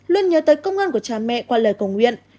luôn nhớ tới công an của cha mẹ qua lời cầu nguyện